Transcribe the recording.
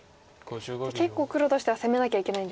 じゃあ結構黒としては攻めなきゃいけないんですね。